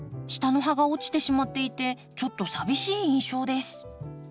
下の葉が落ちてしまっていてちょっと寂しい印象です。